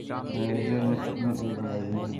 manager نے اپنے ایک ملازم سے پوچھا